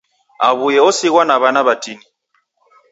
Aw'uye osighwa na w'ana w'atini.